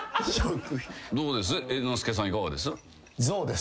どうです？